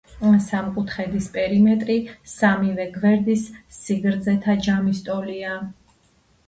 სამკუთხედის პერიმეტრი სამივე გვერდის სიგრძეთა ჯამის ტოლია.